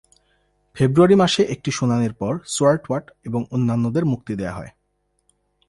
ফেব্রুয়ারি মাসে একটি শুনানির পর, সোয়ার্টওয়াট এবং অন্যান্যদের মুক্তি দেওয়া হয়।